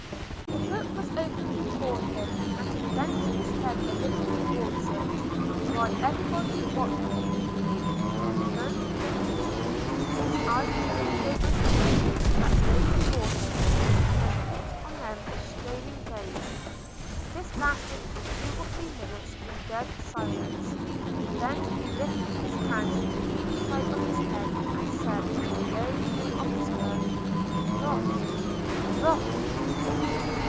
The book was open before him, and he bent his head a little towards it, while everybody watched him eagerly. He turned no leaf. His eyes wandered over the pages that lay before him, and then fixed on them a straining gaze. This lasted for two or three minutes in dead silence. Then he lifted his hands to each side of his head, and said, in a low tone of despair, "Lost, lost!"